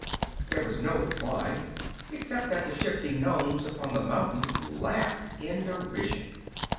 There was no reply, except that the shifting Nomes upon the mountain laughed in derision.